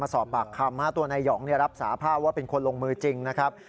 สอบปากคำตัวนายหองรับสาภาพว่าเป็นคนลงมือจริงนะครับ